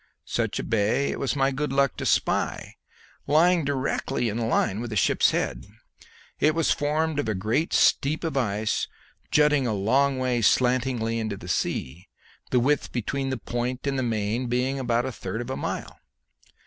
Such a bay it was my good luck to spy, lying directly in a line with the ship's head. It was formed of a great steep of ice jutting a long way slantingly into the sea, the width between the point and the main being about a third of a mile.